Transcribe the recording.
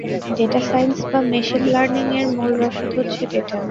Data science বা machine learning এর মূল রসদ হচ্ছে ডেটা।